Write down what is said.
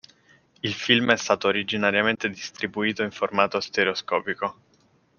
Il film è stato originariamente distribuito in formato stereoscopico.